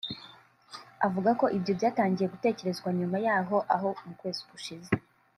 Avuga ko ibyo byatangiye gutekerezwa nyuma y’aho mu kwezi gushize